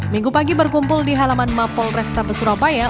minggu pagi berkumpul di halaman map polrestabes surabaya